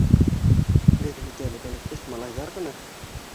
— Беҙ бит әле бәләкәс малайҙар ғына.